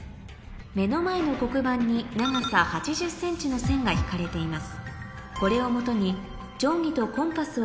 目の前の黒板に長さ８０ｃｍの線が引かれています